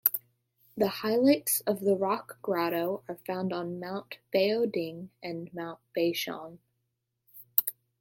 The highlights of the rock grotto are found on Mount Baoding and Mount Beishan.